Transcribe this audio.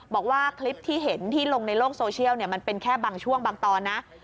บอกว่าคลิปที่เห็นที่ลงในโลกโซเชียลมันเป็นแค่บางช่วงบางตอนนะ